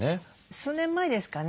数年前ですかね